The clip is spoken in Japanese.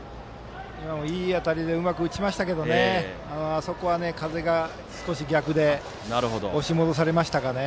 今のもいい当たりでうまく打ちましたがあそこは風が少し逆で押し戻されましたかね。